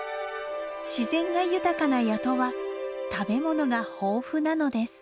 自然が豊かな谷戸は食べ物が豊富なのです。